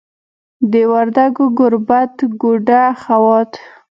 د وردګو ګوربت، ګوډه، خوات